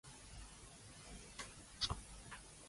快脆啲啦，乜你咁婆媽㗎